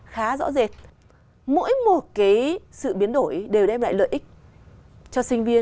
khá rõ rệt